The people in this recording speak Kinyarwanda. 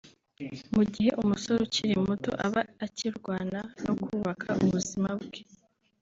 Mu gihe umusore ukiri muto aba akirwana no kubaka ubuzima bwe